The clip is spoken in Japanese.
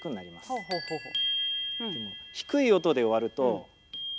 ほうほうほうほう。